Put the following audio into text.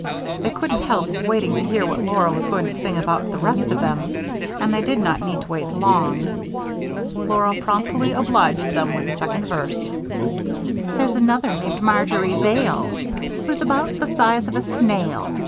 They couldn't help waiting to hear what Laura was going to sing about the rest of them, and they did not need to wait long; Laura promptly obliged them with the second verse: There's another named Marjory Vale, Who's about the size of a snail.